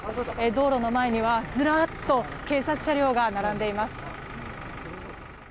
道路の前にはずらっと警察車両が並んでいます。